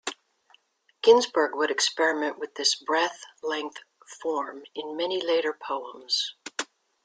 Ginsberg would experiment with this breath-length form in many later poems.